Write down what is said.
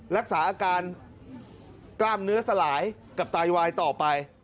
รักษาอาการกล้ามเนื้อสลายกับไตวายต่อไป